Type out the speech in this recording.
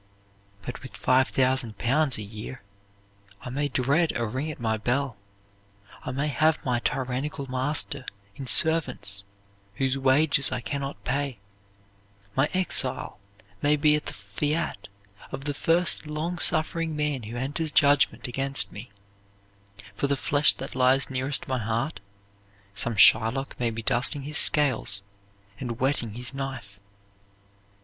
But with five thousand pounds a year, I may dread a ring at my bell; I may have my tyrannical master in servants whose wages I can not pay; my exile may be at the fiat of the first long suffering man who enters judgement against me; for the flesh that lies nearest my heart, some Shylock may be dusting his scales and whetting his knife.